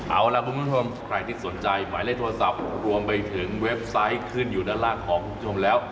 เอาล่ะคุณผู้ชมใครที่สนใจหมายเลขโทรศัพท์รวมไปถึงเว็บไซต์ขึ้นอยู่ด้านล่างของคุณผู้ชมแล้ว